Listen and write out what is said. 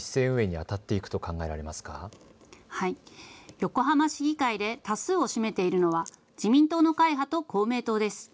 横浜市議会で多数を占めているのは自民党の会派と公明党です。